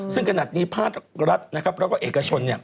ซึ่งขณะนี้ภาครัฐและเอกชน